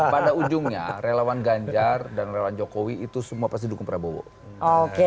pada ujungnya relawan ganjar dan relawan jokowi itu semua pasti dukung prabowo